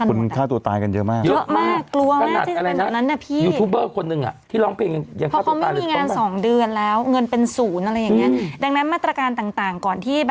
ขคนฆ่าตัวตายกันเยอะมาก